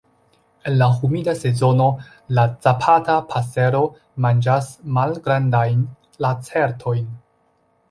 En la humida sezono la Zapata pasero manĝas malgrandajn lacertojn.